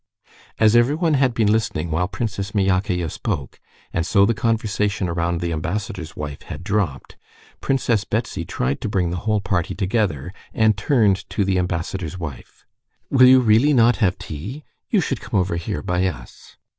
As everyone had been listening while Princess Myakaya spoke, and so the conversation around the ambassador's wife had dropped, Princess Betsy tried to bring the whole party together, and turned to the ambassador's wife. "Will you really not have tea? You should come over here by us."